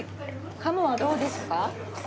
鴨はどうですか？